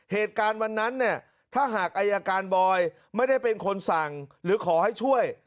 เหตุการณ์วันนั้นเนี่ยถ้าหากอายการบอยไม่ได้เป็นคนสั่งหรือขอให้ช่วย